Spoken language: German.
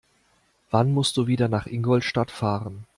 Wann musst du wieder nach Ingolstadt fahren?